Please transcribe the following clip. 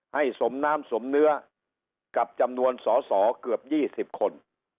สมน้ำสมเนื้อกับจำนวนสอสอเกือบ๒๐คน